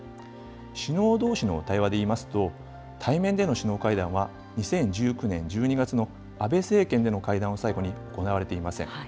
首脳どうしの対話でいいますと、対面での首脳会談は２０１９年１２月の安倍政権での会談を最後に、行われていません。